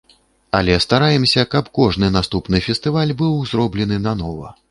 Але стараемся, каб кожны наступны фестываль быў зроблены нанова.